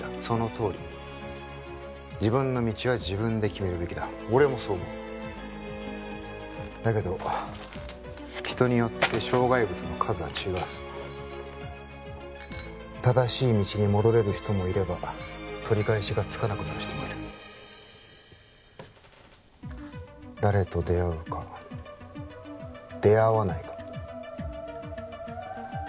そのとおり自分の道は自分で決めるべきだ俺もそう思うだけど人によって障害物の数は違う正しい道に戻れる人もいれば取り返しがつかなくなる人もいる誰と出会うか出会わないか